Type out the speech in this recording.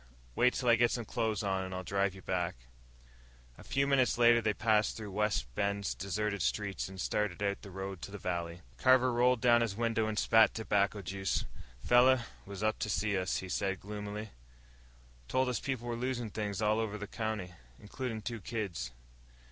Wait till I get some clothes on, and I'll drive you back." A few minutes later they passed through Wide Bend's deserted streets and started out the road to the valley. Carver rolled down his window and spat tobacco juice. "Feller was up to see us," he said gloomily. "Told us people was losin' things all over the county includin' two kids.